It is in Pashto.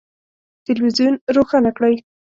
تلویزون روښانه کړئ